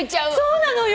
そうなのよ！